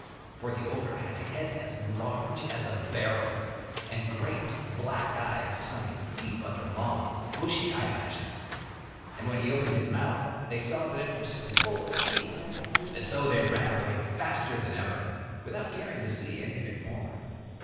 For the ogre had a head as large as a barrel, and great black eyes sunk deep under long, bushy eyelashes. And when he opened his mouth they saw that it was full of teeth, and so they ran away faster than ever, without caring to see anything more.